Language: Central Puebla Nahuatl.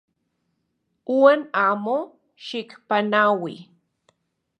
Uan amo xikpanaui.